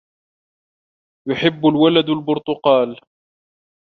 يُحِبُّ الْوَلَدُ الْبُرْتُقالَ.